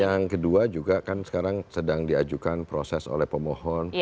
yang kedua juga kan sekarang sedang diajukan proses oleh pemohon